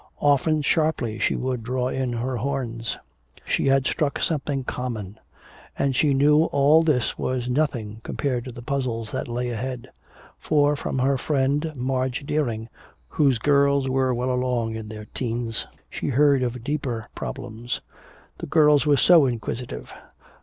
Often sharply she would draw in her horns. She had struck something "common!" And she knew all this was nothing compared to the puzzles that lay ahead. For from her friend, Madge Deering, whose girls were well along in their 'teens, she heard of deeper problems. The girls were so inquisitive.